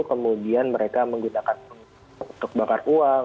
kemudian mereka menggunakan untuk bakar uang